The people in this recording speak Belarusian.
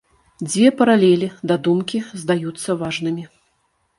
Дзве паралелі да думкі здаюцца важнымі.